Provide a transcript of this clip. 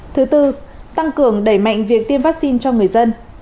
thứ tư tăng cường đẩy mạnh việc tiêm vaccine cho người dân